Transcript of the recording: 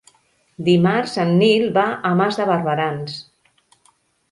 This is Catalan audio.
Dimarts en Nil va a Mas de Barberans.